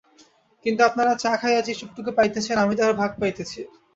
কিন্তু আপনারা চা খাইয়া যে সুখটুকু পাইতেছেন আমি তাহার ভাগ পাইতেছি।